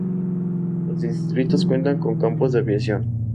Los distritos cuentan con campos de aviación.